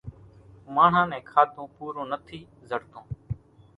ماڻۿان نين کاڌون پورون نٿِي زڙتون۔